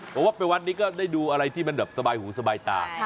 เพราะว่าไปวัดนี้ก็ได้ดูอะไรที่มันแบบสบายหูสบายตา